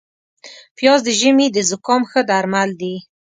پیاز د ژمي د زکام ښه درمل دي